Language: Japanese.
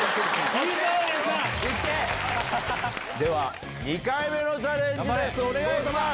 では２回目のチャレンジです。